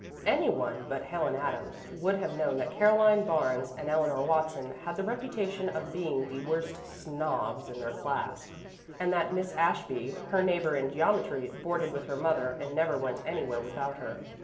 Any one but Helen Adams would have known that Caroline Barnes and Eleanor Watson had the reputation of being the worst "snobs" in their class, and that Miss Ashby, her neighbor in geometry, boarded with her mother and never went anywhere without her.